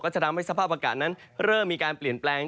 จะทำให้สภาพอากาศนั้นเริ่มมีการเปลี่ยนแปลง